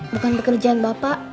bukan pekerjaan bapak